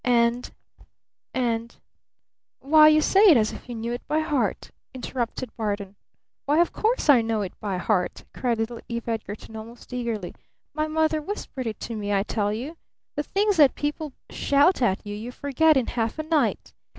And and " "Why, you say it as if you knew it by heart," interrupted Barton. "Why, of course I know it by heart!" cried little Eve Edgarton almost eagerly. "My mother whispered it to me, I tell you! The things that people shout at you you forget in half a night.